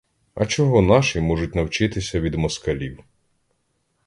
А чого наші можуть навчитися від москалів?